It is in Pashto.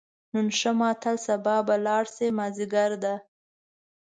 نن شه ماتل سبا به لاړ شې، مازدیګر ده